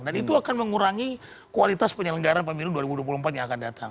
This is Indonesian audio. dan itu akan mengurangi kualitas penyelenggaran pemilu dua ribu dua puluh empat yang akan datang